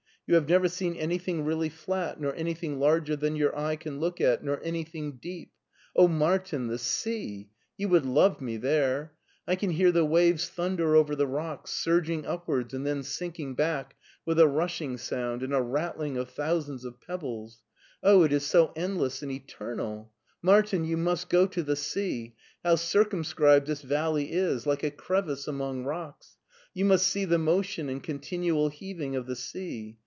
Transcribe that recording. You have never seen anything really flat, nor anything larger than your eye can look at, nor anything deep; Oh, Martin, the LEIPSIC 153 sea ! You would love me there I I can hear the waves thunder over the rocks, surging upwards and then sink ing back with a rushing sound and a rattling of thou sands of pebbles. Oh, it is so endless and eternal! — Martin, you must go to the sea ! How circumscribed this valley is I Like a crevice among rocks. You must see the motion and continual heaving of the sea.